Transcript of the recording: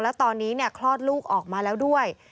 และตอนนี้คลอดลูกออกมาแล้วด้วย